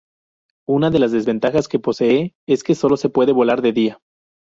Una de las desventajas que posee es que sólo se puede volar de día.